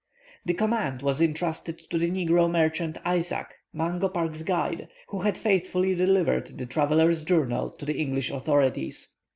The command was entrusted to the negro merchant Isaac, Mungo Park's guide, who had faithfully delivered the traveller's journal to the English authorities.